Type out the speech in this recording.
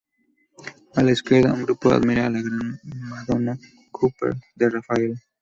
A la izquierda, un grupo admira la "Gran Madonna Cowper" de Rafael.